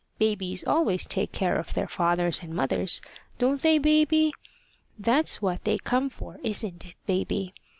Babies always take care of their fathers and mothers don't they, baby? That's what they come for isn't it, baby?